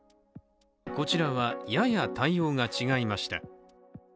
こちらは、やや対応が違いました。